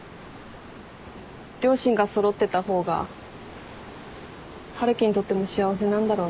両親が揃ってた方が春樹にとっても幸せなんだろうな。